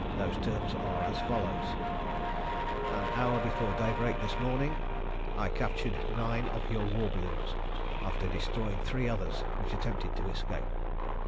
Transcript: Those terms are as follows An hour before daybreak this morning I captured nine of your war balloons, after destroying three others which attempted to escape.